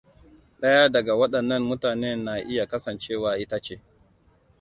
Daya daga waɗannan mutanen na iya kasancewa ita ce.